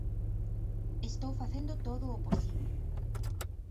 Estou facendo todo o posible.